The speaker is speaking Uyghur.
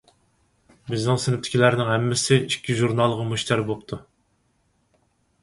بىزنىڭ سىنىپتىكىلەرنىڭ ھەممىسى ئىككى ژۇرنالغا مۇشتەرى بوپتۇ.